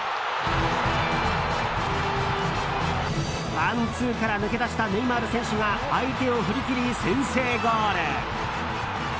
ワン、ツーから抜け出したネイマール選手が相手を振り切り先制ゴール。